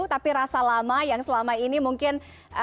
tapi rasa lama yang selama ini mungkin